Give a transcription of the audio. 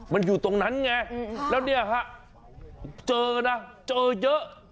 มันอยู่ตรงนั้นไงแล้วเนี่ยฮะเจอนะเจอเยอะ